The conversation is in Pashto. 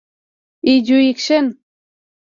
ايجوکيشن